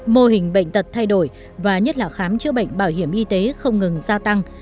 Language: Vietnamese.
mô hình bệnh tật thay đổi và nhất là khám chữa bệnh bảo hiểm y tế không ngừng gia tăng